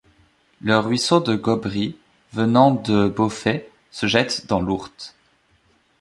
Le ruisseau de Gobry venant de Beaufays se jette dans l'Ourthe.